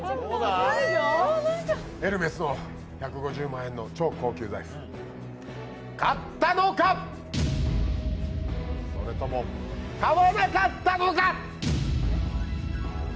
エルメスの１５０万円の超高級財布、買ったのか、それとも買わなかったのか？